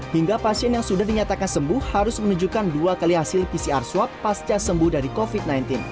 hingga pasien yang sudah dinyatakan sembuh harus menunjukkan dua kali hasil pcr swab pasca sembuh dari covid sembilan belas